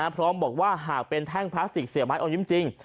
พร้อมบอกว่าหากเป็นแท่งพลาสติกเสียไม้อมยิ้มจริง